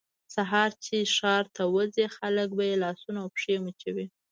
سهار چې ښار ته وځي خلک به یې لاسونه او پښې مچوي.